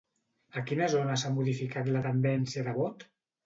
A quina zona s'ha modificat la tendència de vot?